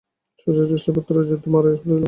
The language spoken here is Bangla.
সুজার জ্যেষ্ঠ পুত্র যুদ্ধে মারা পড়িল।